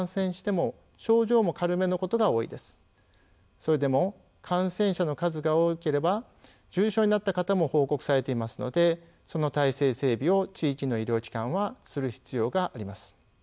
それでも感染者の数が多ければ重症になった方も報告されていますのでその体制整備を地域の医療機関はする必要があります。